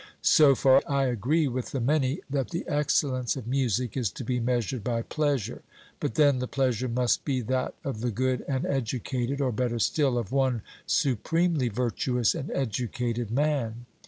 So far I agree with the many that the excellence of music is to be measured by pleasure; but then the pleasure must be that of the good and educated, or better still, of one supremely virtuous and educated man.